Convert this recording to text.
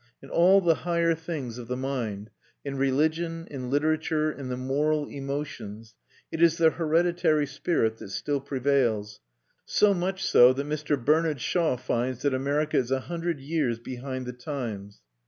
In all the higher things of the mind in religion, in literature, in the moral emotions it is the hereditary spirit that still prevails, so much so that Mr. Bernard Shaw finds that America is a hundred years behind the times.